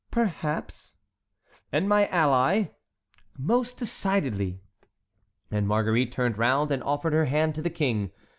"Perhaps"— "And my ally?" "Most decidedly." And Marguerite turned round and offered her hand to the king.